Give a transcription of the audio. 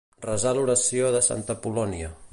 Resar l'oració de santa Apol·lònia.